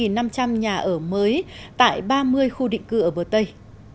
và một năm trăm linh nhà ở mới tại ba mươi khu định cư ở bờ tây